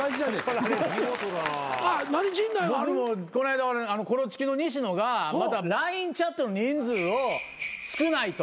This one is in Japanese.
この間コロチキの西野がラインチャットの人数を少ないと。